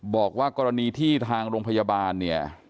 บอกว่ากรณีที่ทางโรงพยาบาลเนี่ย